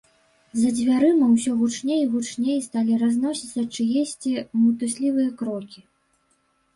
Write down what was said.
За дзвярыма ўсё гучней і гучней сталі разносіцца чыесьці мітуслівыя крокі.